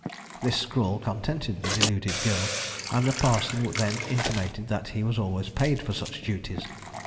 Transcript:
This scrawl contented the deluded girl; and the parson then intimated that he was always paid for such duties.